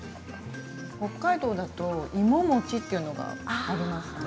北海道だと芋餅というのがありますね。